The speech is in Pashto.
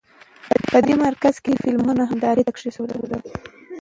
په دې مرکز کې فلمونه هم نندارې ته کېښودل.